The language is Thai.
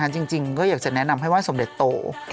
จริงก็อยากจะแนะนำให้ว่าสมเด็จโต